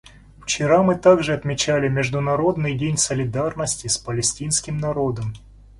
Вчера мы также отмечали Международный день солидарности с палестинским народом.